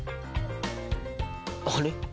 あれ？